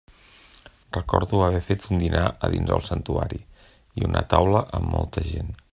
Recordo haver fet un dinar a dins el santuari, i una taula amb molta gent.